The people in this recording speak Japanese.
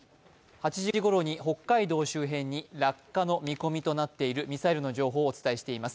８時ごろに北海道周辺に落下の見込みとなっているミサイルの情報をお伝えしています。